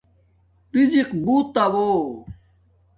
رزِق بوت آݸہ